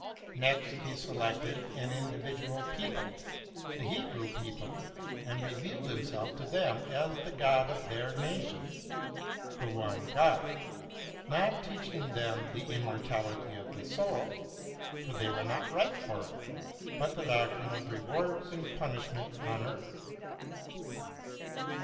Next He selected an individual people — the Hebrew people — and revealed Himself to them as the God of their nation : the one God, not teaching them the immortality of the soul, for they were not ripe for it, but^the doctrine of rewards and punishment on earth.